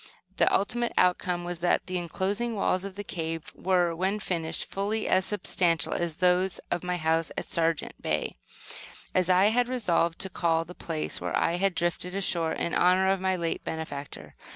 The ultimate outcome was, that the inclosing walls of the cave were, when finished, fully as substantial as those of my house at "Sargent" Bay, as I had resolved to call the place where I had drifted ashore, in honor of my late benefactor.